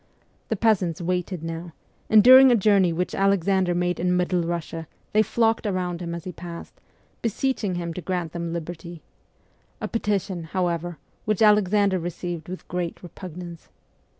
The peasants waited now, and during a journey which Alexander made in Middle Russia they flocked around him as he passed, beseeching him to grant them liberty a petition, however, which Alexander received with great repugnance.